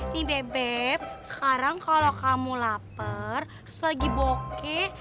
nih beb sekarang kalau kamu lapar terus lagi bokeh